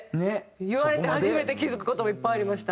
言われて初めて気付く事もいっぱいありました。